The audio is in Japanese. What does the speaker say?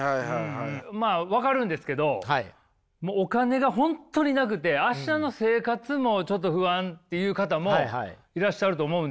まあ分かるんですけどもうお金が本当になくて明日の生活もちょっと不安っていう方もいらっしゃると思うんですよ。